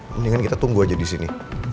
mendingan kita tunggu aja disini